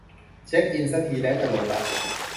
เช็กอินสักทีแล้วจะหลงรัก